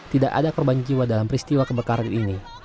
tidak ada korban jiwa dalam peristiwa kebakaran ini